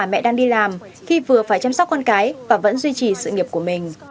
bà mẹ đang đi làm khi vừa phải chăm sóc con cái và vẫn duy trì sự nghiệp của mình